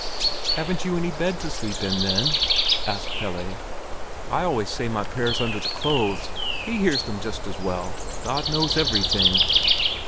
"Haven't you any bed to sleep in then?" asked Pelle. "I always say my prayers under the clothes. He hears them just as well! God knows everything."